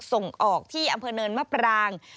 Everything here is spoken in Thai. ส่งออกที่อำเภอเนินมะปราง